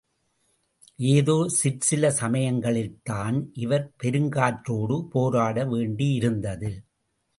ஏதோ சிற்சில சமயங்களில்தான் இவர் பெருங்காற்றோடு போராட வேண்டியிருந்தது.